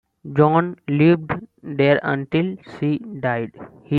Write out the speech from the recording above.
John lived there until he died.